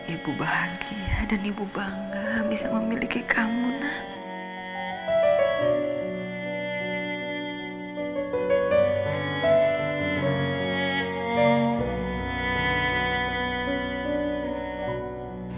ibu bahagia dan ibu bangga bisa memiliki kamu nangis